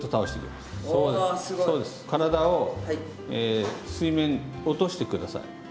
体を水面落として下さい。